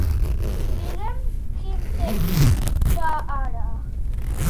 Digue'm quin temps fa ara.